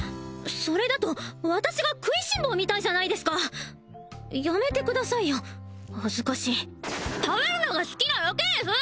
それだと私が食いしん坊みたいじゃないですかやめてくださいよ恥ずかしい食べるのが好きなだけです！